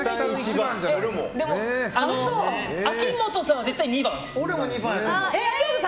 でも、秋本さんは絶対２番です。